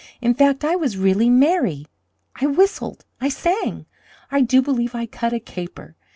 In fact, I was really merry. I whistled. I sang. I do believe I cut a caper.